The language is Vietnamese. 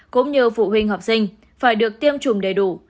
cũng như phụ huynh học sinh phải được tiêm chủng đầy đủ